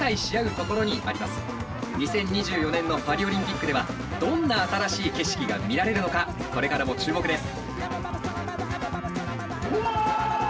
２０２４年のパリ・オリンピックではどんな新しい景色が見られるのかこれからも注目です。